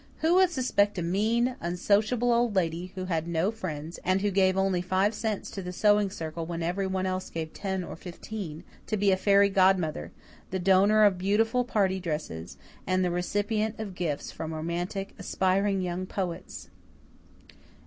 Who would suspect a mean, unsociable Old Lady, who had no friends, and who gave only five cents to the Sewing Circle when everyone else gave ten or fifteen, to be a fairy godmother, the donor of beautiful party dresses, and the recipient of gifts from romantic, aspiring young poets?